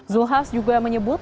zulkifli hasan juga menyebut